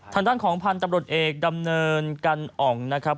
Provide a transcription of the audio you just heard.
ธนต้านของพรรณจำรดเอกดำเนินกันอ๋อมนะครับ